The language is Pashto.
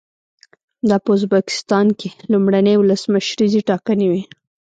دا په ازبکستان کې لومړنۍ ولسمشریزې ټاکنې وې.